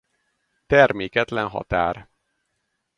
Terméketlen határ.